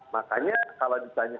makanya kalau ditanya